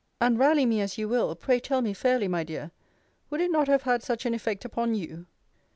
And, rally me as you will, pray tell me fairly, my dear, would it not have had such an effect upon you?